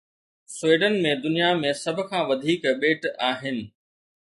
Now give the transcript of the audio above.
Sweden ۾ دنيا ۾ سڀ کان وڌيڪ ٻيٽ آهن